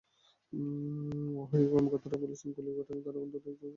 ওহাইওর কর্মকর্তারা বলছেন, গুলির ঘটনায় তাঁরা অন্তত একজন সন্দেহভাজন ব্যক্তিকে চিহ্নিত করেছেন।